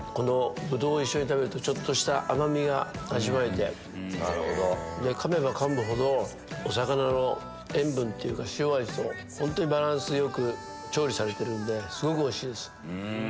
ブドウを一緒に食べるとちょっとした甘みが味わえてかめばかむほどお魚の塩分っていうか塩味と本当にバランスよく調理されてるんですごくおいしいです。